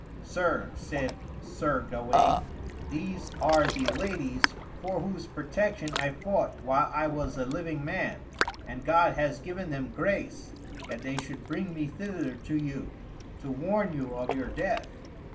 "Sir," said Sir Gawaine, "these are the ladies for whose protection I fought while I was a living man, and God has given them grace that they should bring me thither to you, to warn you of your death.